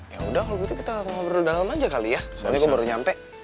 yaudah kalo gitu kita ngobrol dalam aja kali ya soalnya gue baru nyampe